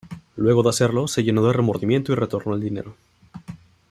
Luego de hacerlo, se llenó de remordimiento y retornó el dinero.